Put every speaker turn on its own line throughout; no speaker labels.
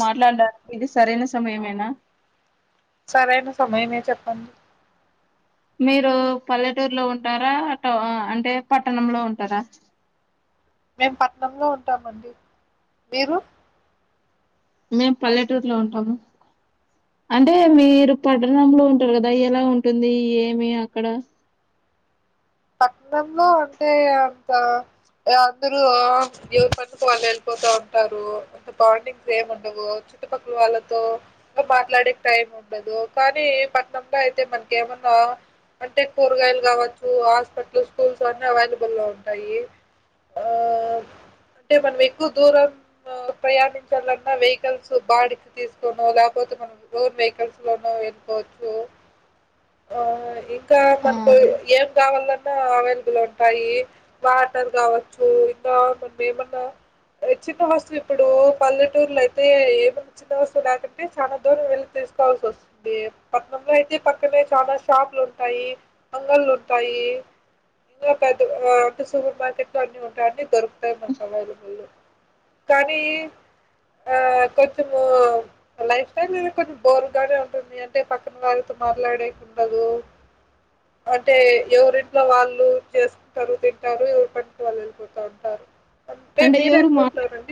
మాట్లాడ ఇది సరైన సమయమేనా
సరైన సమయమే చెప్పండి
మీరు పల్లెటూర్లో ఉంటారా అటు ఆ అంటే పట్టణంలో ఉంటారా
మేము పట్నంలో ఉంటామండి మీరు
మేం పల్లెటూర్లో ఉంటాము. అంటే మీరు పట్టణంలో ఉంటారు కదా ఎలా ఉంటుంది ఏమి అక్కడ
పట్నంలో అంటే అంత అందరూ ఎవరి పనులకు వాళ్ళు వెళ్ళిపోతా ఉంటారు. అంత బాండింగ్స్ ఏం ఉండవు చుట్టుపక్కల వాళ్ళతో మాట్లాడే టైం ఉండదు. కానీ పట్నంలో అయితే మనకి ఏమన్నా అంటే కూరగాయలు కావచ్చు హాస్ హాస్పిటల్స్, స్కూల్స్ అన్ని అవైలబుల్లో ఉంటాయి. ఆ అంటే మనం ఎక్కువ దూరం ప్రయాణించాలన్నా వెహికల్స్ బాడికి తీసుకోనో లేకపోతే మనం లోన్ వెహికల్స్ లోన వెళ్ళిపోవచ్చు ఇంకా
ఆ
మనకు ఏం కావాలన్ న్నా అవైలబుల్ ఉంటాయి. వాటర్ కావచ్చు ఇంకా మనం ఏమన్నా చిన్న వస్తువు ఇప్పుడు పల్లెటూర్లో అయితే ఏమన్నా చిన్న వస్తువు లేకపోతే చాలా దూరం వెళ్ళి తీసుకోవాల్సి వస్తుంది. పట్నంలో అయితే పక్కనే చాలా షాపులు ఉంటాయి. అంగళ్లు ఉంటాయి. ఇంకా ఆ అంటే సూపర్ మార్కెట్లో అన్ని ఉంటాయి. అంటే దొరు తాయి. అవైలబుల్ కానీ ఆ కొంచెము లైఫ్ స్టైల్ కొంచం బోర్గానే ఉంటుంది. అంటే పక్కన వాళ్ళతో మాట్లాడేకుండదు అంటే ఎవరి ఇంట్లో వాళ్ళు చేస్కుంటరు తింటారు ఎవరి పనికి వాళ్ళు వెళ్ళిపోతా ఉంటారు.
అంటే ఎవరు మా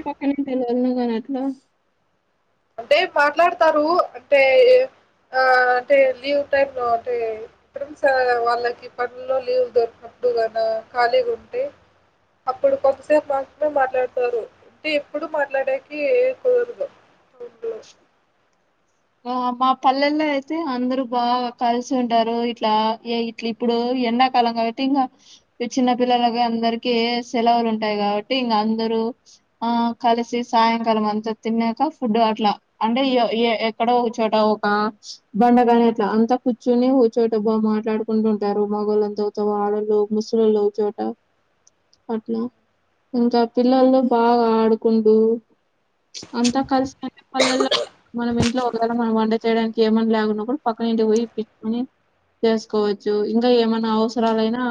[inaudible] ఎందుకని అట్లా
అంటే మాట్లాడతారు అంటే ఆ అంటే లీవ్ టైమ్లో అంటే ఫెండ్స్ వాళ్ళకి పనుల్లో లీవ్ దొరికినప్పుడు ఖాళీగా ఉంటే అప్పుడు కొంతసేపు మాత్రమే మాట్లాడతారు. అంటే ఎప్పుడు మాట్లాడేకి ఏం కుదరదు. రూమ్లో
ఆ మా పల్లెల్లో అయితే అందరూ బాగా కలిసి ఉంటారు. ఇట్లా ఏ ఇట్లా ఇప్పుడు ఎండాకాలం కాబట్టి ఇంకా చిన్న పిల్లలకి అందరికి సెలవులు ఉంటాయి కాబట్టి ఇంక అందరూ ఆ కలిసి సాయంకాలం అంతా తిన్నాక ఫుడ్ అట్లా అంటే ఇగ ఎక్కడో ఒక చోట ఒక బండగానీ అట్లా అంత కూర్చుని ఒక చోట బాగా మాట్లాడుకుంటూ ఉంటారు. మగళ్ళంత ఒకతవ ఆడాళ్లు, ముసల్లోలు ఒక చోట అట్లా ఇంకా పిల్లలు బాగా ఆడుకుంటూ అంతా కలిసినట్టు పల్లెల్లో మనం ఇంట్లో మనం వంట చేయడానికి ఏమన్న లేకున్నా కూడా పక్కనింటి పోయి ఇప్పించుకొని చేసుకోవచ్చు. ఇంకా ఏమైనా అవసరాలైనా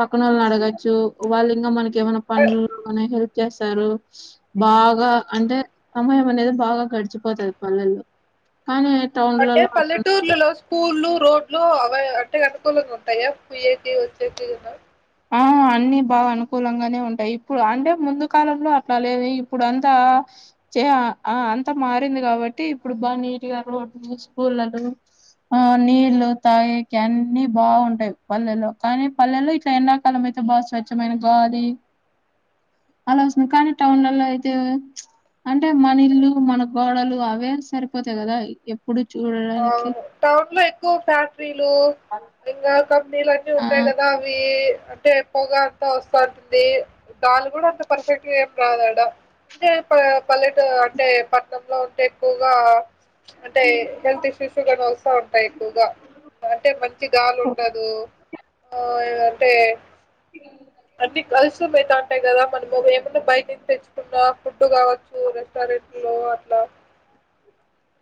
పక్కన వాళ్ళని అడగచ్చు. వాళ్ళు ఇంకా మనకి ఏమైనా పనులు హెల్ప్ చేస్తారు. బాగా అంటే సమయం అనేది బాగా గడిచిపోతది. పల్లెల్లో కానీ
అంటే
టౌన్లలో అట్లుండదు కదా!
పల్లెటూర్లలో స్కూళ్లు, రోడ్లు లో అంటే అనుకూలంగా ఉంటాయా పొయ్యేటి వచ్చేటి గిన
ఆ అన్ని బాగా అనుకూలంగానే ఉంటాయి. ఇప్పుడు అంటే ముందు కాలంలో అట్లా లేదు ఇప్పుడు అంతా అంతా మారింది కాబట్టి ఇప్పుడు బాగా నీట్గా రోడ్లు, స్కూళ్లలు ఆ నీళ్లు తాయేకి అన్ని బాగుంటాయి. పల్లెల్లో కానీ పల్లెలో ఎండాకాలం అయితే బాగా స్వచ్ఛమైన గాలి అలా వస్తుంది. కానీ టౌన్లలో అయితే అంటే మన ఇల్లు మన గోడలు అవే సరిపోతాయి కదా ఎప్పుడు చూడడానికి
అవును టౌన్లో ఎక్కువ ఫ్యాక్టరీలు ఇంకా కంపెనీలు అన్నీ
ఆ
ఉంటాయి కదా అవి అంటే పొగ అంత వస్త ఉంటుంది గాలి కూడా అంత పర్ఫెక్ట్ గా ఏం రాదాడ అంటే పల్లెట అంటే పట్నంలో ఉంటే ఎక్కువగా అంటే హెల్త్ ఇష్యూస్ కానీ వస్తా ఉంటాయి ఎక్కువగా అంటే మంచి గాలి ఉండదు. అంటే అన్ని కలుషితం అయితా ఉంటాయి కదా మనము ఏమన్నా బయట తెచ్చుకున్నా ఫుడ్ కావచ్చు రెస్టారెంట్లో అట్లా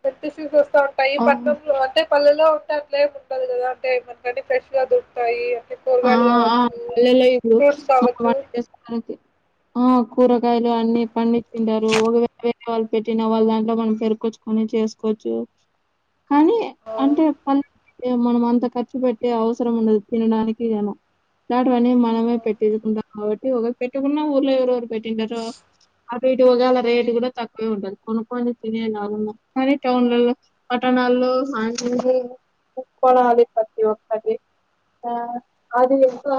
పెటి [inaudible] ఉంటాయి
ఆ
పట్టనంలో అంటే పల్లెలో అట్లే ఉండదు కదా అంటే మనకన్ని ఫ్రెష్ గా దొరుకుతాయి
ఆ
కూరగాయలు
అ
కావచ్చు
పల్లెలే ఇపుడు
ఫ్రూట్స్
ఆ
కావచ్చు
[inaudible] ఆ కూరగాయలు అన్ని పండించిటారు ఒకవే వేరే వాళ్ళు పెట్టిన వాళ్ళ దాంట్లో మనం పెరుకొచ్చుకోని చేసుకోవచ్చు కానీ
ఆ
అంటే పల్ మనం అంత ఖర్చు పెట్టే అవసరం ఉండదు తినడానికి [unintelligible] కానీ మనమే పెట్టించుకుంటాం కాబట్టి ఇ ఒక పెట్టకున్న ఊర్లో ఎవరో ఓకరు పెట్టింటారో అటు ఇటు ఒగాళ్ళ రేటు కూడా తక్కువే ఉంటది కొనుకోని తినే లాగన్నా కానీ టౌన్లలో పట్టణాల్లోకొనుకొనాలి ప్రతి ఓక్కటి ఆ అది ఇంకా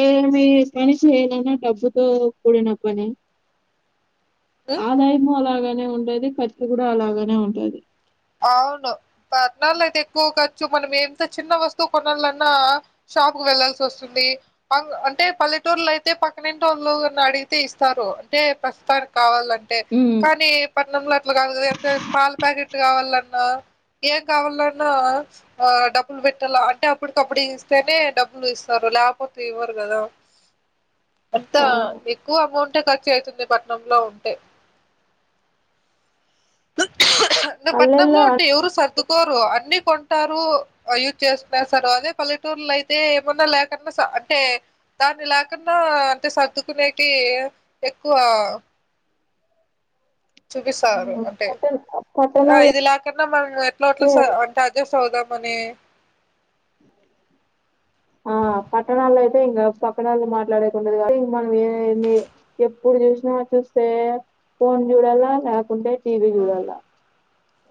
ఏమి పని చేయాలన్నా డబ్బుతో కూడిన పని
ఆ
ఆదాయము అలాగ అనే ఉండేది ఖర్చు కూడా అలాగనే ఉంటాది
అవును పట్నాలో అయితే ఎక్కువ ఖచ్చు మనం ఎంత చిన్న వస్తువు కొనాలన్నా షాప్ కు వెళ్లాల్సి వస్తుంది అంటే పల్లెటూరులో అయితే పక్కనింటోళ్ళు వాళ్ళు అడిగితే ఇస్తారు అంటే ప్రస్తుతానికి కావాల అంటే
హ్మ్.
కానీ పట్నంలో అ అట్లగాదు గద అతే పాల ప్యాకట్ ట్ కావాలన్నా ఏం కావాలన్నా ఆ డబ్బులు పెట్టాల అంటే అప్పటికప్పుడు ఇస్తేనే డబ్బులు ఇస్తారు లేపోతే ఇవ్వరు కదా అంత
అవును.
ఎక్కువ ఎమౌంట్ ఖర్చు అయితుంది పట్నంలో ఉంటే ఇంగ పట్నంలో
పల్లెల్లో
ఉంటే
అన్
ఎవరు సర్దుకోరు అన్నీ కొన్ టారూ యూజ్ చేసుకునేస్థరు అదే పల్లెటూర్లో అయితే ఏమన్నా లేకున్నా సా అంటే దాన్ని లేకన్నా అంటే సర్దుకునేకి ఎక్కువ చూపిస్తారు
హ్మ్.
అంటే
పట్టణ
ఆ ఇది
పట్టణాలైతే
లేకన్నా మనం ఎట్లో ఓట్లా సా అంటే అడ్జస్ట్ అవుదాం మనీ
ఆ పట్టణాల్లో అయితే ఇంగ పక్కనోళ్ళు మాట్లాడేకుండదు కాబట్టి ఇంగ మనం ఏ ఎప్పుడు చూసినా చూస్తే ఫోన్ చూడాల లేకుంటే టీవీ జూడాల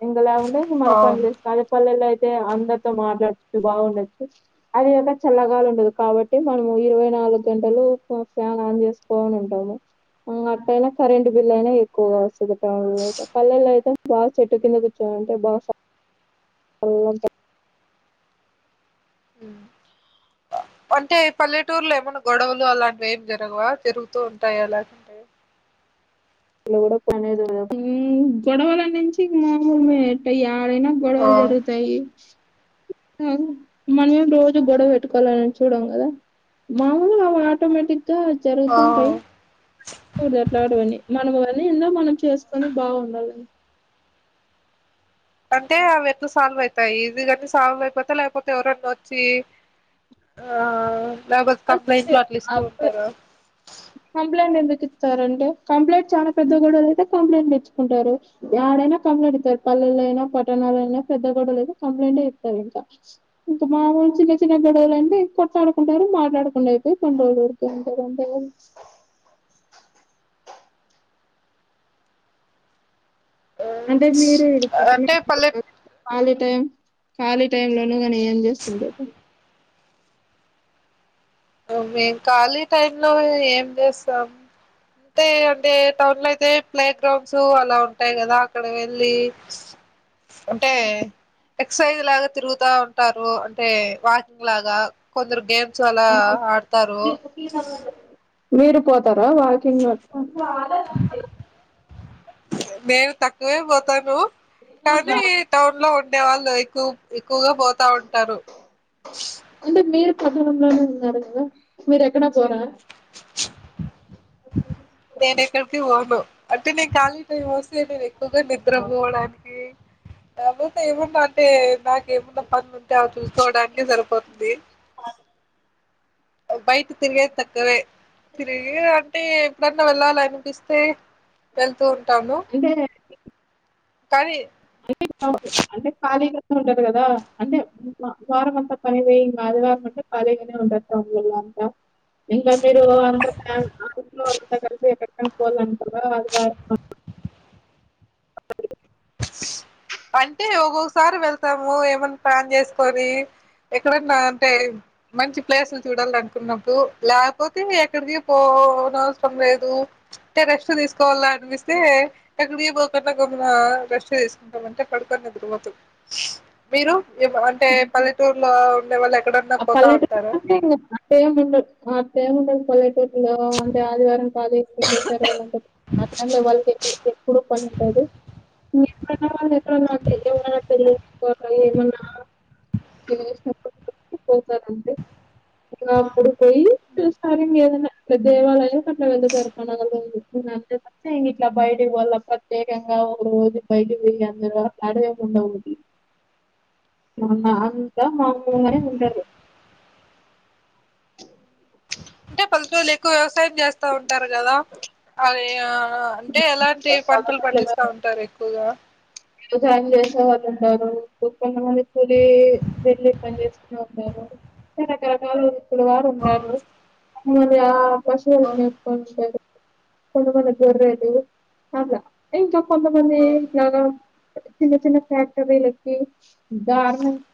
ఇంగలాకుంటే మన
అవును
పన్లు అదే పల్లెలో అయ్ తే అందరితో మాట్లాడు తూ బాగుండచ్చు అది అ చల్లగాలు ఉండదు కాబట్టి మనము ఇరవై నాలుగు గంటలు ఫ్యాన్ ఆన్ చేసుకోని ఉంటాము అట్ట అయినా కరెంట్ బిల్ అయినా ఎక్కువగా వస్తది టౌన్లో పల్లెలో అయితే బాగా చెట్టు కింద కూర్చొనుంటే బా సళ్ళ
అంటే పల్లెటూర్లో ఏమన్నా గొడవలు అలాంటివి ఏం జరగవా తిరుగుతూ ఉంటాయా లేకపోతే
ఎడ పనే చూడు గొడవలనుంచి మామూలే ఇంగ యా డైనా
ఆ
గొడవలు జరుగుతాయి మనమేం రోజూ గొడవ పెట్టుకోలని చూడం కదా మామూలుగా ఆటోమేటిక్ గా
ఆ
జరుగుతాంటాయి పట్టించుకూడదు అట్లాటివి అన్నీ మన పని ఏందో మనం చేసుకొని బాగుండాలి
అంటే అవి ఎట్లా సాల్వ్ అయితాయి ఈజీగానే సాల్వ్ అయిపోతాయా లేకపోతే ఎవరన్నా వచ్చి ఆ లేపోతే కంప్లైంట్లు అట్లా ఇస్తూ ఉంటారా
కంప్లైంట్ ఎందుకు ఇత్తారు అంటే కంప్లైంట్ చానా పెద్ద గొడవలు అయితే కంప్లైంట్ ఇచ్చుకుంటారు యాడైనా కంప్లైంట్ ఇత్తారు పల్లెలో అయినా పట్టణాలో అయినా పెద్ద గొడవలు అయితే కంప్లైంట్యే ఇత్తారు ఇంకా ఇంకా మాముూలు చిన్న చిన్న గొడవలు అంటే ఇ కొట్లాడుకుంటారు మాట్లాడుకుండా అయిపోయి కొన్ని రోజులు వరకుఉంటారు అంతే కదా అంటే మీర్
అంటే పల్లె
[unintelligible] ఖాళీ టైం ఖాళీ టైమ్ లోను గని ఏం చేస్తుంటారు
ఉమ్ మేము ఖాళీ టైమ్ లో ఏం చేస్తాం అంటే అంటే టౌన్ లో అయితే ప్లే గ్రౌండ్స్ఊ అలా ఉంటాయి కదా అక్కడ వెళ్ళి అంటే ఎక్ససైజ్ లాగా తిరుగుతా ఉంటారు టే వాకింగ్ లాగా కొందరు గేమ్ చాలా ఆడతారు
మీరు పోతారా వాకింగ్ అ
[inaudible] మేము తక్కువే పోతాను కానీ టౌన్ లో ఉండే వాళ్ళు ఎక్కువ క్కువగా పోతా ఉంటారు
అంటే మీరు ఎక్కడా పోరా
నేను ఎక్కడికి పోను అంటే నేన్ కాలి టైం వస్ నేను ఎక్కువగా నిద్రపోవడానికి [unintelligible] అంటే నాకేమున్న పనులు ఉంటే అవి చూసుకోవడా అన్ని సరిపోద్ది బయట తిరిగేది తక్కువే తిరిగి అంటే ఎప్పుడన్నా వెళ్ళాల అనిపిస్తే వెళ్తూ ఉంటాను కానీ
అంటే అంటే ఖాళీగానే ఉంటరు కదా అంటే వారం అంతా పని వేయిం కాదు కాబట్టె ఖాళీగానే ఉంటారు టౌన్ వల్ల అంత ఇంకా మీరు అంతంట్లోంత కలిసి ఎం కోళ్లం అదివ
అంటే ఒక్కొక్కసారి వెళ్తాము ఏమన్నా ప్లాన్ చేసుకొని ఎక్కడన్నా అంటే మంచి ప్లేసులు చూడాలి అనుకున్నప్పుడు లేకపోతే ఎక్కడికి పోన అవసరం లేదు అంటే రెస్ట్ తీసుకోవాలా అనిపిస్తే ఎక్కడికి పోకుండా గమ్న రెస్ట్ తీసుకుంటామంటే పడుకొని నిదురపోతే మీరు అంటే పల్లెటూరులో [unintelligible]
ఆ
పోతా ఉంటారా
పల్లెటూర్లకే అటెముండదు ఆట్టే ఉండద్ పల్లెటూరు లో అంటే ఆదివారం ఆ టైం లో వాళ్ళకి ఎప్పుడు పని ఉంటది. మీర్ పోయిన వాళ్లే [unintelligible] ఎమన్నా పోతారంతే అలాప్పుడు పొయ్యి చూస్తారు ఇంగేదన్నా గా దేవాలయం కట్నంఎందుకు కడుతండో తెలీదు ఇంగా ఇట్లా బయటికి పోలా ప్రత్యేకంగా ఒగ ఊరికి బయటికి తిరిగే అంతగా క్లాడ్ ఎం ఉండవు అన్న అంతా మాములుగానే [unintelligible]
అంటే పల్లటూరి లో ఎక్కువ వ్యవసాయం చేస్తా ఉంటారు కదా అది ఆ అంటే ఎలాంటి పంటలు పండిస్తా ఉంటారు ఎక్కువగా
వ్యవసాయం చేసే వాళ్ళు ఉంటారు కొంత మంది కూలి వెళ్ళి పని చేసుకునే ఉంటారు రకరకాలు ఇప్పుడు వారు
ఆ
ఉంటారు మూల్య
ఆ
పశువులను మెప్తు ఉంటారు కొన్ని కొన్ని గోర్రలు అలా ఇంక కొంత మంది
ఆ
జె చిన్న చిన్న ఫ్యాక్టరీలకి గార్మెంట్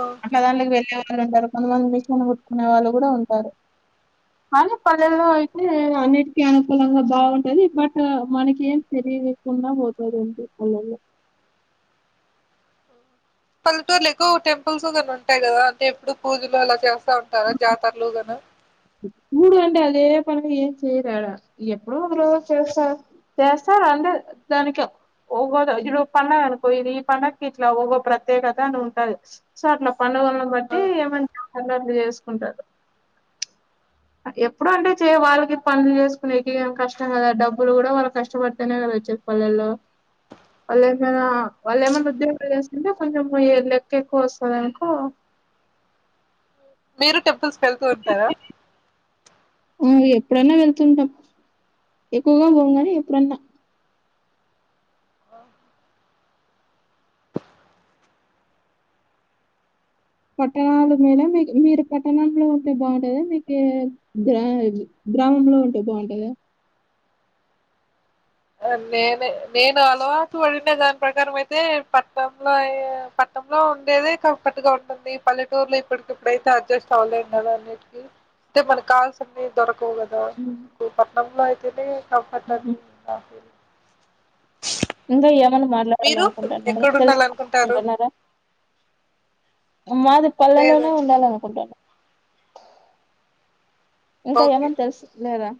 ఆ
అట్లా దానికి వెళ్లే వ [unintelligible] కొంతమంది మిషన్ ఉంటారు కానీ పల్లెల్లో అయితే అన్నిటికీ అనుకూలంగా బాగుంటది బట్ మనకి ఏం తెలియకుండా పోతది అంటే పల్లెల్లో
పల్లెటూరులు ఎక్కువ టెంపుల్స్గానీ ఉంటాయి కదా అంటే ఎప్పుడు పూజలు అలా చేస్తా ఉంటారా జాతరలుగన
పుడు అంటే అదే పనిగా ఏం చేయరు యాడ ఎప్పుడో ఒక రోజు చేస్తారు చేస్తారు అంటే దానికి ఓ ఈ రోజు పండుగ అనుకో ఈ పండుగకి ఇట్లా ఒక ప్రత్యేకత అని ఉంటది సో అట్లా పండుగలను
ఆ,
బట్టి ఏమంటా కలర్లు చేసుకుంటారు ఎప్పుడు అంటే చే వాళ్ళకి పనులు చేసుకోనేకి కష్టం కదా డబ్బులు కూడా వాళ్ళ కష్టపడితేనే కదా వచ్చే పల్లెల్లో వాళ్ళు ఏమైనా వాళ్ళు ఏమైనా ఉద్యోగాలు చేస్తుంటే కొంచెం ఏ లెక్క ఎక్కువ వస్తది అనుకో
మీరు టెం చూసుకెళ్తూ ఉంటారా
హ్మ్ ఎప్పుడన్నా వెళ్తుంటాం ఎక్కువగా పోము కాని ఎప్పుడన్నా పట్టణాలో మేళా మీకు మీరు పట్టణంలో ఉంటే బాగుంటది మీకు గ్రా గ్రామంలో ఉంటే బాగుంటద
నేనే నేను అలవాటు పడిన దాని ప్రకారం అయితే పట్నంలో పట్నంలో ఉండేదే కంఫర్ట్ గా ఉంటుంది పల్లెటూర్లో ఇప్పటికిప్పుడైతే అడ్జస్ట్ అవ్వలేం కదా అన్నిటిక అయితే మన కాల్స్ అన్ని దొరక అంతే కదా [unintelligible] నమ్ అయికెతే కంఫర్ట్
హుహు.
అని ఆ ఫ
ఇంగ ఎమ్ మళ్ళీ మాట్లాడాల
మీరు
అనుకుంటున్నారా తెలుసుకోవాల
ఎక్కడుండాలనుకుంటారు
అనుకుంటున్నారా మాది పళ్లలోనే
లేదండి
ఉండాల అనుకుంటాను ఇంకా
ఓకే
ఏమన్నా తెలుసులేదా